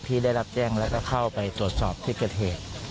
ที่ได้รับแจ้งแล้วก็เข้าไปตรวจสอบที่เกิดเหตุ